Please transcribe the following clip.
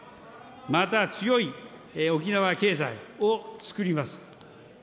また強い沖縄経済を作ります。